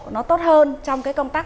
nó tốt hơn trong cái công tác